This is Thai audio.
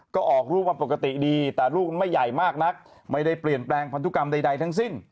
ก็ออกรูปมาปกติดีแต่ลูกนั้นไม่ใหญ่มากนักไม่ได้เปลี่ยนแปลงพันธุกรรมใดทั้งสิ้น